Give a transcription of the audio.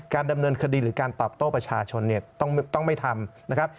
ดำเนินคดีหรือการตอบโต้ประชาชนเนี่ยต้องไม่ทำนะครับ